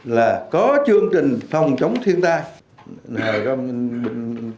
là có chương trình phòng chống thiên tai